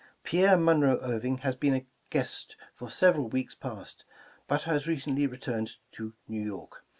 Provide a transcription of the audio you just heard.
Pierre Munroe Irving has been a guest for several weeks past, but has recently re turned to New York.